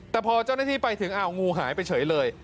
แต่พอเจ้าหน้าที่ไปถึงอ้าวงูหายไปเฉยเลย